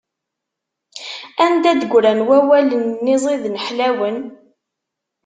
Anda d-ggran wawalen-nni ẓiden ḥlawen?